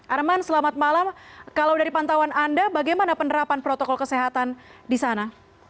arman selamat malam kalau dari pantauan anda bagaimana penerapan protokol kesehatan di sana